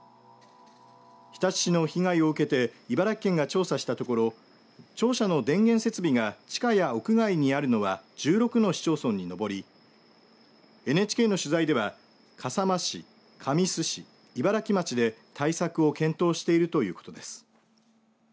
日立市の被害を受けて茨城県が調査したところ庁舎の電源設備が地下や屋外にあるのは１６の市町村に上りＮＨＫの取材では笠間市、神栖市茨城町で対策を検討しているということです。